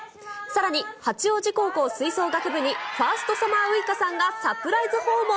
さらに、八王子高校吹奏楽部に、ファーストサマーウイカさんがサプライズ訪問。